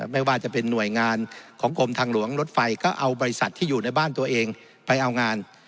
ไม่ว่าจะเป็นหน่วยงานของกรมทางหลวงรถไฟก็เอาบริษัทที่อยู่ในบ้านตัวเองไปเอางาน